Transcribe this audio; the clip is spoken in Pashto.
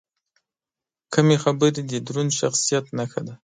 کمې خبرې، د دروند شخصیت نښه ده.